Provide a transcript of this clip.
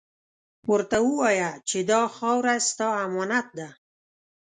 ورته ووایه چې دا خاوره ، ستا امانت ده.